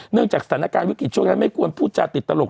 จากสถานการณ์วิกฤตช่วงนั้นไม่ควรพูดจาติดตลก